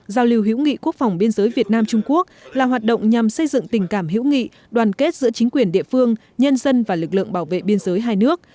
giao lưu hữu nghị quốc phòng biên giới việt nam trung quốc là hoạt động nhằm xây dựng tình cảm hữu nghị đoàn kết giữa chính quyền địa phương nhân dân và lực lượng bảo vệ biên giới hai nước